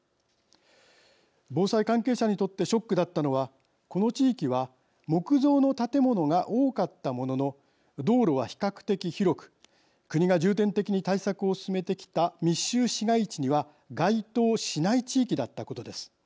防災関係者にとってショックだったのはこの地域は、木造の建物が多かったものの道路は比較的広く国が重点的に対策を進めてきた密集市街地には該当しない地域だったことです。